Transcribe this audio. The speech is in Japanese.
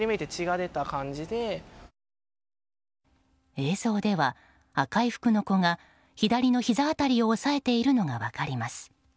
映像では赤い服の子が左のひざ辺りを押さえているのが分かります。